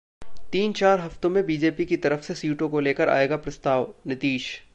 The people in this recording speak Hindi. तीन-चार हफ्तों मे बीजेपी की तरफ से सीटों को लेकर आएगा प्रस्ताव: नीतीश